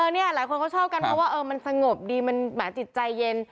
เนี่ยหลายคนเขาชอบกันเพราะว่ามันสงบดีมันหมาจิตใจเย็น